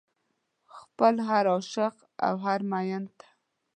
خپل هر عاشق او هر مين ته